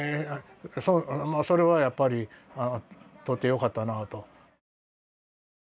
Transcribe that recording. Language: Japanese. まあそれはやっぱり撮ってよかったなと。